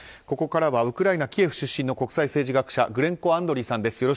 ここからはウクライナ・キエフ出身の国際政治学者グレンコ・アンドリーさんです。